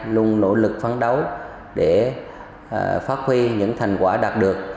luôn nỗ lực phán đấu để phát huy những thành quả đạt được